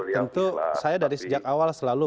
tentu saya dari sejak awal selalu